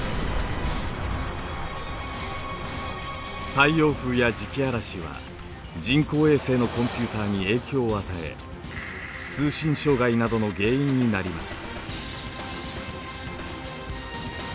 太陽風や磁気嵐は人工衛星のコンピューターに影響を与え通信障害などの原因になります。